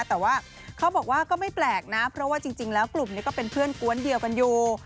แต่ว่าเขาบอกว่าก็ไม่แปลกนะเพราะว่าจริงแล้วกลุ่มนี้ก็เป็นเพื่อนกวนเดียวกันอยู่